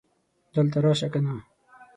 دلته راشه کنه